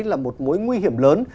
là một mối nguy hiểm lớn